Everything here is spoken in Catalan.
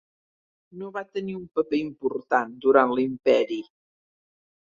No va tenir un paper important durant l'imperi.